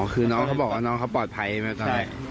อ๋อคือน้องเขาบอกว่าน้องเขาปลอดภัยไหม